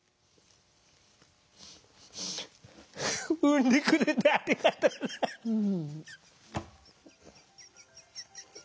産んでくれてありがとう。